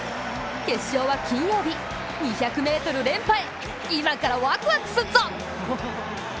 決勝は金曜日、２００ｍ連覇へ、今からワクワクすっぞ！